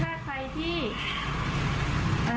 ซึ่งแม่ก็บอกว่าคือถ้ารู้ตั้งแต่ต้น